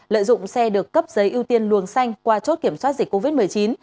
lợi dụng xe được cấp giấy ưu tiên luồng xanh qua chốt kiểm soát dịch covid một mươi chín